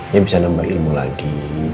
dia bisa nambah ilmu lagi